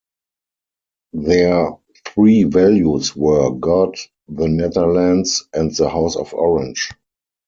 Their three values were "God, the Netherlands, and the House of Orange".